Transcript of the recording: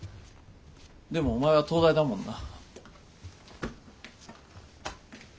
でもお前は東大だもんな。